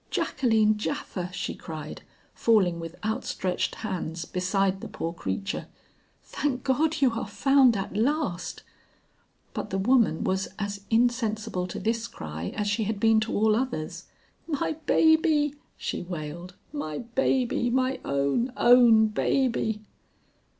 "Jacqueline Japha," she cried, falling with outstretched hands beside the poor creature; "thank God you are found at last!" But the woman was as insensible to this cry as she had been to all others. "My baby," she wailed, "my baby, my own, own baby!"